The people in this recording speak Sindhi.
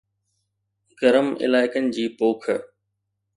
گرم علائقن جي پوک